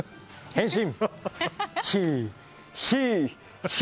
変身！